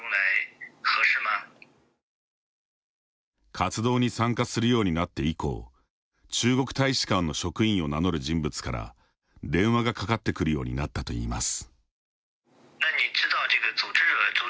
活動に参加するようになって以降中国大使館の職員を名乗る人物から電話がかかってくるようになったといいます。